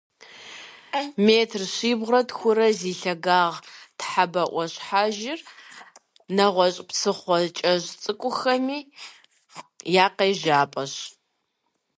Метр щибгъурэ тхурэ зи лъагагъ Тхьэбэ Ӏуащхьэжьыр нэгъуэщӀ псыхъуэ кӀэщӀ цӀыкӀухэми я къежьапӀэщ.